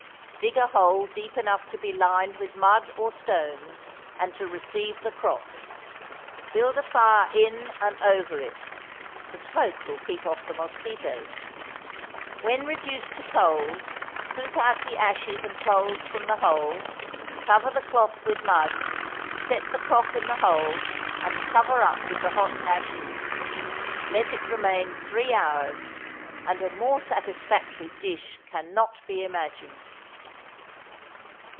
Dig a hole deep enough to be lined with mud or stones and to receive the crock; build a fire in and over it (the smoke will keep off the mosquitoes). When reduced to coals, scoop out the ashes and coals from the hole, cover the cloth with mud, set the crock in the hole, and cover up with the hot ashes; let it remain three hours, and a more satisfactory dish cannot be imagined.